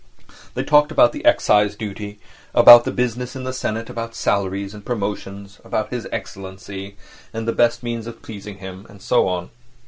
They talked about the excise duty; about business in the senate, about salaries, about promotions, about His Excellency, and the best means of pleasing him, and so on.